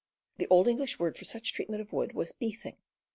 ^.,„ The old English word for such treat . ment of wood was "beathing."